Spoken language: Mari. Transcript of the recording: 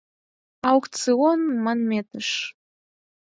Аукцион манметыш.